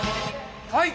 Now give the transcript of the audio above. はい！